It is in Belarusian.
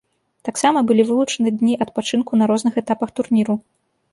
Таксама былі вылучаны дні адпачынку на розных этапах турніру.